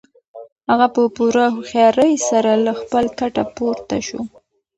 هغه په پوره هوښیارۍ سره له خپل کټه پورته شو.